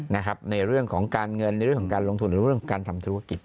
ในเรื่องของการเงินในเรื่องของการลงทุนหรือเรื่องการทำธุรกิจ